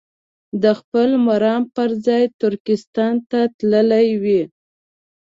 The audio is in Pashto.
د خپل مرام پر ځای ترکستان ته تللي وي.